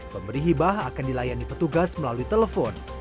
pemberi hibah akan dilayani petugas melalui telepon